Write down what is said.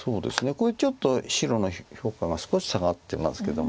これちょっと白の評価が少し下がってますけども。